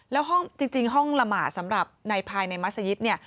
แล้วจริงห้องละหมาดสำหรับภายในมัศยิตนี่